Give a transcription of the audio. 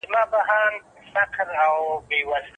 له پيژندو به دې منکر سم